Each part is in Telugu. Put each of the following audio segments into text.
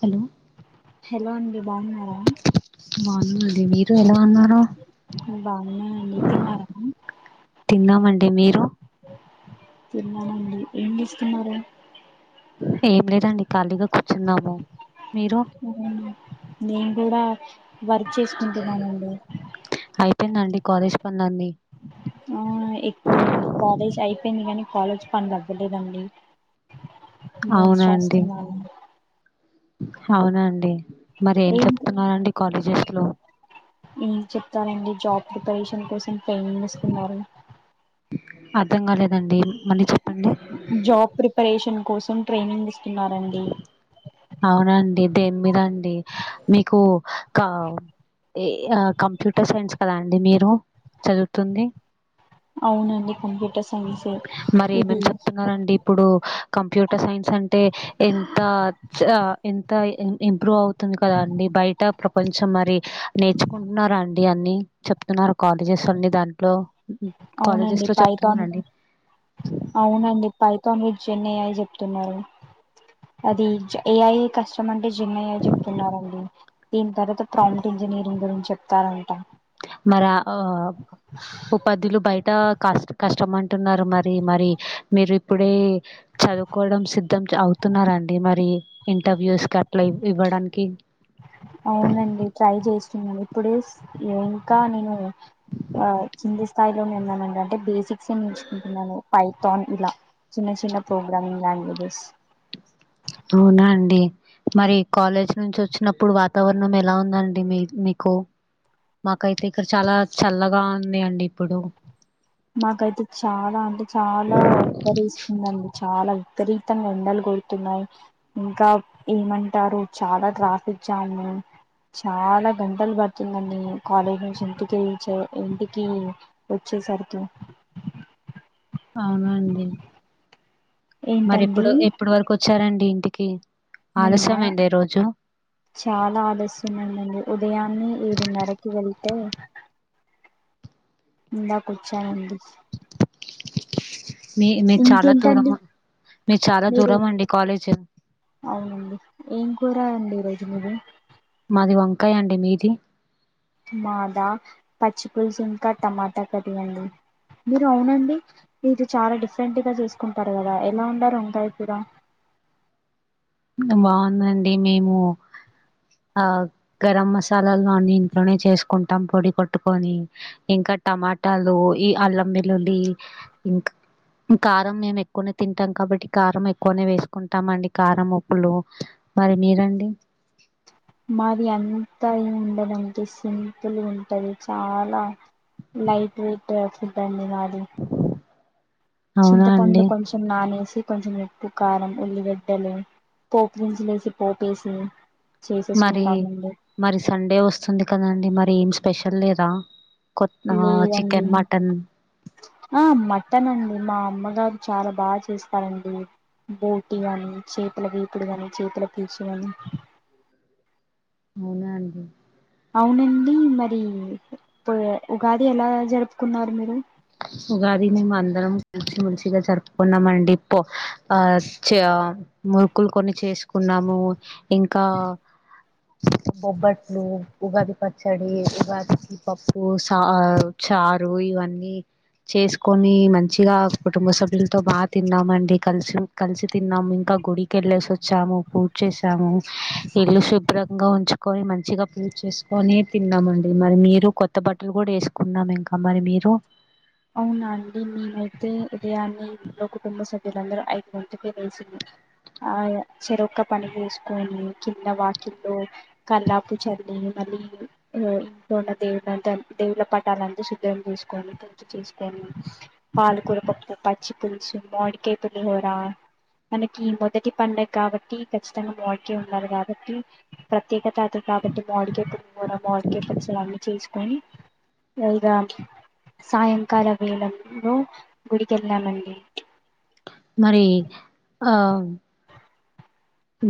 హలో హలో అండి బావున్నారా బావున్నాండి మీరు ఎలా అన్నారు నే బావున్నానండి తిన్నారా తిన్నామండి మీరు తిన్నానండి ఏం చేస్తున్నారు ఏం లేదండి ఖాళీగా కూర్చున్నాము మీరు నేన్ కూడా వర్క్ చేసుకుంటున్నానండి తి నిన్న అండి కాలేజ్ పన్లు అన్ని ఆహ్ ఎక్కడండి కాలేజ్ అయిపోయింది గాని కాలేజ్ పన్లు అవ్వలేదండి నోట్స్ రాస్తునా అవునండి మరి ఏం చెప్తున్నారండి కాలేజెస్ లో ఏం చెప్తానండి జాబ్ ప్రిపరేషన్ కోసం ట్రైనింగ్ ఇస్తున్నారు అర్థం కాలేదండి మళ్ళీ చెప్పండి జాబ్ ప్రిపరేషన్ కోసం ట్రైనింగ్ ఇస్ అవునండి దేన్మిదండి మీకు క ఎ అ కంప్యూటర్ సైన్స్ కదా అండి మీరు చదువుతుంది అవునండి కంప్యూటర్స్ మరి ఏమేం చెప్తున్నరండి ఇప్పుడు కంప్యూటర్ సైన్స్ అంటే ఎంత ఎంత ఇంప్రూవ్ అవుతుంది కదా అండి బయట ప్రపంచం మరి నేర్చుకుంటున్నారా అండి అన్ని చెప్తున్నారు కాలేజెస్ అన్ని దాంట్లో కాలేజెస్ అవునండి లో పైథాన్ చెప్తున్నారండి అవునండి Python with gen A I చెప్తున్నారు అది ఏ ఐ కష్టం అంటే జిన్ ఎ ఐ చెప్తున్నారండి దీని తర్వాత ప్రామిట్ ఇంజనీరింగ్ గురించి చెప్తారంట మరి ఆ టా కష్ట కష్టం అంటున్నారు మరి మరి మీరు ఇప్పుడే చదువుకోవడం సిద్ధం అవుతున్నరా అండి మరి ఇంటర్వ్యూస్ కట్ల ఇవ్ ఇవ్వడానికి ఇప్పుడు ఇంకా నేను కింది స్థాయిలోనే ఉన్నానండి అంటే బేసిక్ క్స్ ఏ నేర్చుకుంటున్నాను పై థాన్ ఇలా చిన్న చిన్న ప్రోగ్రామింగ్ లాంగ్వేజెస్ అవునా అండి మరి కాలేజ్ నుంచి వచ్చినప్పుడు వాతావరణం ఎలా ఉందండి మీ మీకు మాకైతే ఇక్కడ చాలా చల్లగా ఉంది అండి ఇప్పుడు మాకైతే చాలా అంటే చాలా ఉబ్బరిస్తుదండి చాలా విపరీతంగా ఎండలు కొడుతున్నాయి ఇంకా ఏమంటారు చాలా ట్రాఫిక్ జామ్ చాలా గంటలు గడిచిందండి కాలేజీ నుంచి ఇంటికి చ్ ఇంటికి వచ్చేసరికి తో అవునండి మరి ఏంటండి ఎప్పుడు ఎప్పుడు వరకు వచ్చ వచ్చారండి ఇంటికి నేనా ఆలస్యమైందా ఈ రోజు చాలా ఆలస్యమైందండి ఉదయాన్నే ఏడున్నరకి వెల్తే ఇందకోచ్చానండి మీ మీరు చాలా దూరం ఇంకేంటండి మీరు చాలా దూరమా అండి కాలేజీ అవునండి ఏం కూర అండి ఈ రోజు మీది అది వంకాయ అండి మీది మాదా పచ్చిపుులుసు ఇంకా టమాటా కర్రీ అండి మీరు అవునండి ఇది చాలా డిఫరెంట్గా చేసుకుంటారు కదా ఎలా వండారు వంకాయకూర బాగుందండి మేము ఆ గరం మసాలాలు అన్ని ఇంట్లోనే చేసుకుంటాం పొడి కొట్టుకొని ఇంకా టమాటాలు ఈ అల్లం వెల్లుల్లి ఇంకా కారం మేము ఎక్కువనే తింటాం కాబట్టి కారం ఎక్కువనే వేసుకుంటాం అండి కారం ప్పులు మరి మీరండి మాది అంతా ఏమి ఉండదంటే సింపుల్ గుంటది చాలా లైట్ వెయిట్ ఫుడ్ అండి మాది అవునా చింతపండు అండి కొంచెం నానేేసి కొంచెం ఎప్పు కారం ఉల్లిగిడ్డలు పోపు దినుసులేసి పోపేసి మరి చేసేసుకుంటామండి మరి సండే వస్తుంది కదండి మరి ఏం స్పెషల్ లేదా కొ లేదండి చికెన్ మటన్ ఆ మటన్ అండి మా అమ్మగారు చాలా బాగా చేస్తారండి బోటీ గాని చేతుల వేపుడు గానీ చేతుల పుల్స్ గాని అవునా అండి అవునండి మరి ఇ ప్పో ఉగాది ఎలా జరుపుకున్నారు మీరు ఉగాది మేము అందరం కలిసి మంచి గా జరుపుకున్నామ అండి ప్పో ఆ చే ఆ మురుకులు కొన్ని చేసుకున్నాము ఇంకా బొబ్బట్లు ఉగాది పచ్చడి ఉగాదికి పప్పు సా చారు ఇవన్నీ చేసుకొని మంచిగా కుటుంబ సభ్యులతో బాగా తిన్నామండి కలిసి కలిసి తిన్నాము ఇంకా గుడికి వెళ్ళేసి వచ్చాము పూజ చేసాము ఇల్లు శుభ్రంగా ఉంచుకొని మంచిగా పూజ చేసుకొని తిన్నామండి మరి మీరు కొత్త బట్టలు కూడా వేసుకున్నాము ఇంకా మరి మీరు అవునా అండి నేనైతే ఉదయాన్ని ఇలో కుటుంబ సభ్యులందరూ ఐదు గంటల పే వేసింది ఆ చెరక్క పని వేసుకొని కింద వాకిల్లో కల్లాపు చల్లి మళ్ళీ ఇంట్లో ఉన్న దేవులంత దేవుల పటాలంతా శుధ్రం చేసుకొని చేసుకొని పాలకూరపప్పు పచ్చి పులుసు మోడికాయ పులిహోర మనకి మొదటి పండగ కాబట్టి ఖచ్చితంగా మాడికాయ ఉన్నారు కాబట్టి ప్రత్యేకతాతలు కాబట్టి మోడికాయ పులిహోర మోడికాయ పచ్చిలు అన్నీ చేసుకొని ఇగా సాయంకాల వేలంలో గుడికెళ్ళామండి మరి ఆ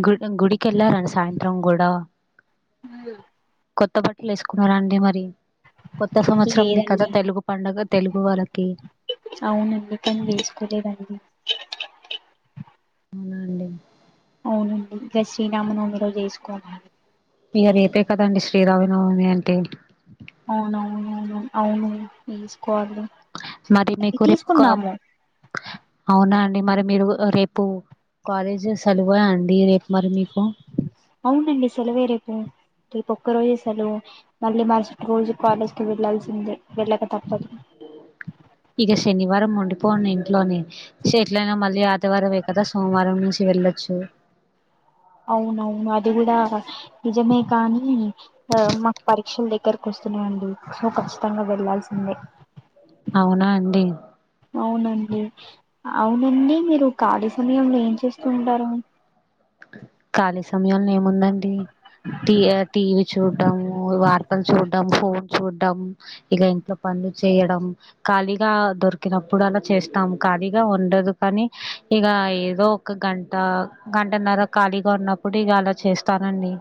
గు గుడికిళ్ళారని సాయంత్రం కూడా హ కొత్త బట్టలు వేసుకున్నారా అండి మరి కొత్త సంవత్సరంది కదా లేదండి తెలుగు పడుగ తెలుగు వాళ్ళకి అవునండి కానీ వేసుకోలేదండి అవునా అండి అవునండి ఇక శ్రీరామనమిలో చేసుకోవాలి ఇగ రేపే కదండి శ్రీరామనవమి అంటే అవునవును అవునును అవును తీసుకోవాలి మరి మీకురి తీసుకున్నాము అవునాండి మరి మీరు రేపు కాలేజ్ సెలవు అండి అ రేపు మరి మీకు అవునండి సెలవే రేపు రేపు ఒక్క రోజు అసలు మళ్ళీ మరుసటి రోజు కాలేజ్ కు వెళ్లాల్సిందే వెళ్ళక తప్పదు ఇక శనివారం ఉండిపోడి ఇంట్లోనే ఎట్లయినా మళ్ళీ ఆదివారమే కదా సోమవారం నుంచి వెళ్ళచ్చు అవునవును అది కూడా నిజమే కానీ ఆ మాకు పరీక్షల దగ్గరకు వస్తున్నాండి సో ఖచ్చితంగా వెళ్లాల్సిందే అవునా అండి అవునండి అవునండి మీరు ఖాళీ సమయంలో ప చేస్తూ ఉంటారు కాల సాయంకాల ముందండి టీ టీవ చూడ్డాము వార్తలు చూడ చ ఫోన్ చూడడం ఇక ఇంట్లో పనులు చేయడం ఖాళీగా దొరికినప్పుడు అలా చేస్తాం ఖాళీగా ఉండదు కానీ ఇక ఏదో ఒక గంట గంటన్నర ఖాళీగా ఉన్నప్పుడు ఇవి అలా చేస్తానండి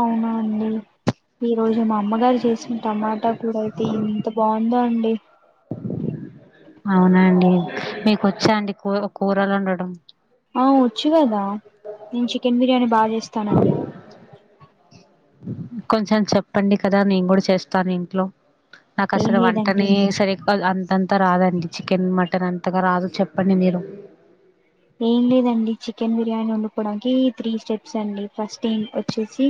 అవునా అండి ఈ రోజు మా అమ్మగారు చేసి అ టమాటా కూడా అయితే ఇంత బాగుందో అ అవునండి మీకు వచ్చా అండి కూ కూరలు ఉండడం ఆ వచ్చు కదా నేను చికెన్ బిర్యానీ బాగా చేస్తానండి కొంచెం చెప్పండి కదా నేను కూడా చేస్తాను ఇంట్లో నాకు ఏం అసలు లేదండి వంటనే సరి అంతంతా రాదండి చికెన్ మటన్ అంత అత్తగా రాదు చెప్పండి మీరు ఏం లేదండి చికెన్ బిర్యానీ వండుపోవడానికి త్రీ స్టెప్స్ అండి ఫస్ట్ ఏం వచ్చే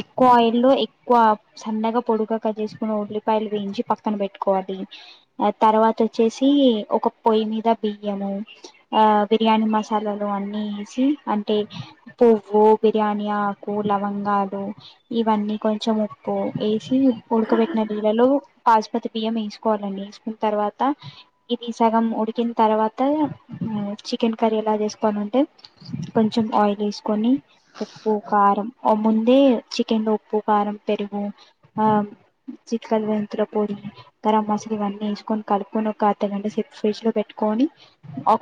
ఎక్కువ ఆయిల్ లో ఎక్కువ సన్నగా పొడుగక చేసుకున్న ఉల్లిపాయలు వేయించి పక్కన పెట్టుకోవాలి ఆ తర్వాత వచ్చేసి ఒక పొయ్యి మీద బియ్యము ఆ బిర్యానీ మసాలాలు అన్నీ వేసి అంటే పువ్వు బిర్యానీ ఆకు లవంగాలు ఇవన్నీ కొంచెం ఉప్పు వేసి ఉడకబెట్టిన నీళ్ళలో పాస్పతి బియ్యం వేసుకోవాలండి వేసుకున్న తర్వాత ఇది సగం ఉడికిన తర్వాత చికెన్ కర్రీ ఎలా చేసుకని ఉంటే కొంచెం ఆయిల్ వేసుకొని ఉప్పు కారం ముందే చికెన్ లో ఉప్పు కారం పెరుగు ఆ చిట్ మతుల పొడి గరం మసాల ఇవన్నీ వేసుకొని కలుని ఒక అర్ధగంట సేపు ఫ్రిడ్జ్ లో పెట్టుకొని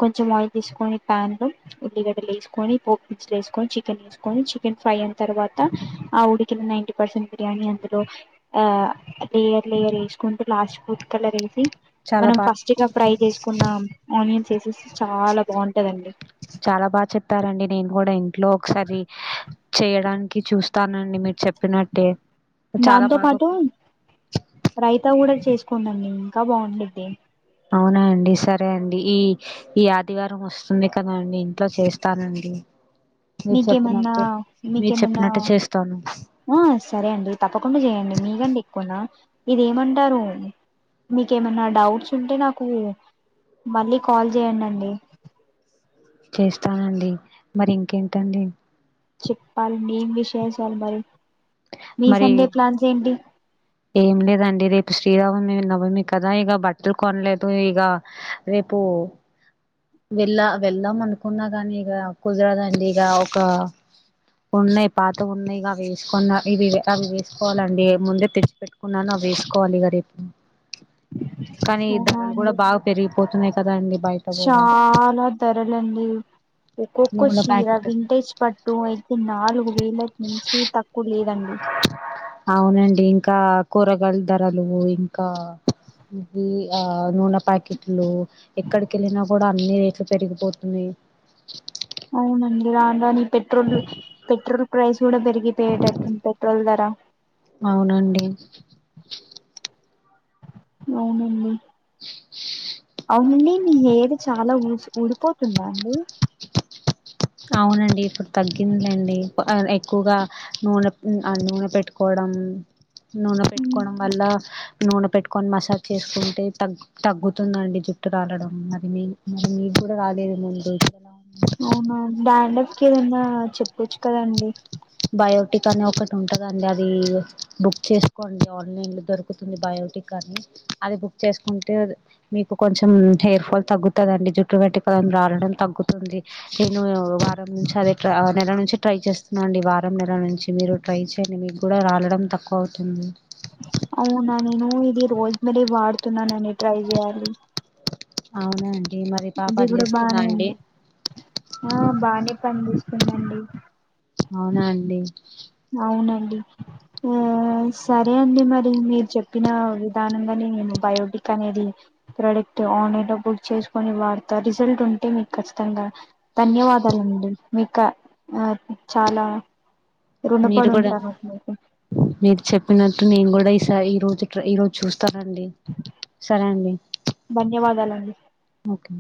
కొంచెం ఆ తీసుకొని ప పాన్ లో ఉల్లిగడ్డలు వేసుకొని పో పన్స్లు వేసుకొని చికెన్ వేసుకొని చికెన్ ఫ్రై అయిన తర్వాత ఆ ఉడికిన నైంటీ పర్సెంట్ బిర్యానీ అందులో లేయర్ లేయర్ వేసుకుంటూ లాస్ట్ ఫుడ్ కలర్ వేసి చాలా మనం బాగా ఫస్ట్ గా ఫ్రై చేసుకున్నాం ఆనియన్ చేసేసి చాలా బాగుంటదండి చాలా బాగా చెప్పారండి నేను కూడా ఇంట్లో ఒకసారి చేయడానికి చూస్తానండి మీరు చెప్ దాంతో పాటు రైతా కూడా చేసి కొండండి ఇంకా బాగుండిద్ది అవునా అండి సరే అండి ఈ ఈ ఆదివారం వస్తుంది కదా అండి ఇంట్లో చేస్తానండి మీరు మీకేమన్నా చెప్పినట్టే మీరు మీకేమన్నా, చెప్పినట్టు చేస్తాను ఆ సరే అండి తప్పకుండా చేయండి మీకంటే ఎక్కువనా ఇదేమంటారు మీకేమన్నా డౌట్స్ ఉంటే నాకు మళ్ళీ కాల్ చేయండ్ అండి చేస్తానండి మరి ఇంకేంటండి చేప్పాల్ బీన్ విషేషాల్ మరి మీ మరి, సండే ప్లాన్స్ ఏంటి ఏం లేదండి రేపు శ్రీరావు వమి నవమి కదా ఇగ బట్టలు కొనలేదు ఇగ రేపు వెళ్ళ వెళ్దాం అనుకున్నా గాని ఇగ కుదరదండి ఇగ ఒక ఉన్నాయి పాతవ్ ఉన్నాయి అవే ఎస్ కున్న ఇవి అవి వేసుకోవాలండి ఏముంది తెచ్చి పెట్టుకున్నాను అవి వేసుకోవాలి ఇగ రేపు కానీ అవునా ధరలు అండి కూడా బాగా పెరిగిపోతున్నాయి కదా అండి బయట కూడా చాలా ధరలండి ఒక్కొక్క నూనె చీరా ప్యాకెట్ వింటేజ్ పట్టు అయితే నాలుగు వేల నుంచి తక్కు కులేదండి అవునండి ఇంకా కూరగాయల ధరలు ఇంకా ఇది ఆ నూనె పా ప్యాకెట్లు ఎక్కడి కెళ్ళినా కూడా అన్నీ రేట్లు పెరిగిపోతున్నాయి అవునండి రాను రాను ఈ పెట్రోలు పెట్రోల్ ప్రైస్ కుడా పెరిగిపోయేటట్టుంద్ పెట్రోల్ ధర అవునండి అవునండి అవుండి మీ హెయిర్ చాలా ఊస్ ఊడిపోతుందా అండి అవునండి ఇప్పుడు తగ్గిందిలేండి, ప ఎక్కువగా నూనె ఆ నూనె పెట్టుకోవడం నూనె ఉమ్, పెట్టుకోవడం వల్లా నూనె పెట్టుకొని మసాజ్ చేసుకుంటే తగ్ తగ్గుతుందండి జుట్టు రాలడం మరి మీ మరి మీకు కూడా రాలేదీ ముందు ఇప్పుడెలా ఉంది ఆహా డాన్డ్రఫ్ కి ఏదన్నా చెప్పొచ్చు కదండి బయోటిక్ అనే ఒకటి ఉంటదండి అది బుక్ చేసుకోండి ఆన్లైన్లో దొరుకుతుంది బయోటిక్ అని అది బుక్ చేసుకుంటే మీకు కొంచెం హెయిర్ ఫాల్ తగ్గుతదండి జుట్టు పెటుకని రాలడం తగ్గుతుంది నేను వారం నుంచి అది నెల నుంచి ట్రై చేస్తున్నా అండి వారం నెల నుంచి మీరు ట్రై చేయండి మీకు కూడా రాలడం తక్కువ అవుతుంది అవునా నేను ఇది రోజు మేరీ వాడుతున్నానండి, ట్రై చేయాలి అవునండ్ ఇది కూడా బానే ఉంది, ఆ బానే పనిజేస్ తుందండి అవునా అండి అవునండి, ఆ సరే అండి మరి మీరు చెప్పిన విధానంగనే నేను బయోటిక్ అనేది ప్రోడక్ట్ ఆన్లైన్లో బుక్ చేసుకొని వాడతా రిజల్ట్ ఉంటే మీకు ఖచ్చితంగా ధన్యవాదాలండి మీకా ఆ చాలా మీరు రుణపడి కూడా, ఉంటాను మీకు మీరు చెప్పినట్టు నేను కూడా ఈ స, ఈ రోజు ట్రై ఈ రోజు చూస్ టానండి, సరే అండి ధన్యవాదాలండి ఓకే